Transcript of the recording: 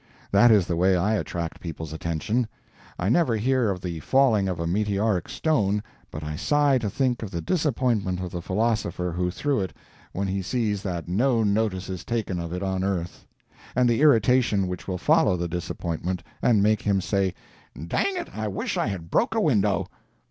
That is the way I attract people's attention. I never hear of the falling of a meteoric stone but I sigh to think of the disappointment of the philosopher who threw it when he sees that no notice is taken of it on earth—and the irritation which will follow the disappointment and make him say: "Dang it, I wish I had broke a window!"